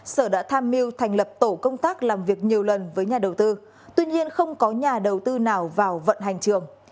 sở đã tham mưu thành lập tổ công tác làm việc nhiều lần với nhà đầu tư tuy nhiên không có nhà đầu tư nào vào vận hành trường